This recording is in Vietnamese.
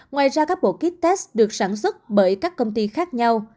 ngoài ra các bộ kit test được sản xuất bởi các công ty khác nhau